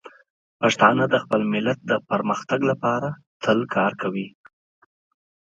پښتانه د خپل ملت د پرمختګ لپاره تل کار کوي.